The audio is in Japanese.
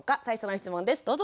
最初の質問です。